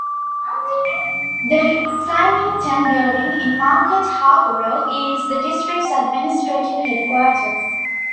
The Symington Building in Market Harborough is the district's administrative headquarters.